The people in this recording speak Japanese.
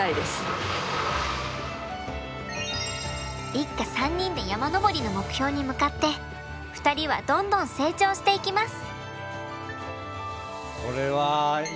一家３人で山登りの目標に向かって２人はどんどん成長していきます！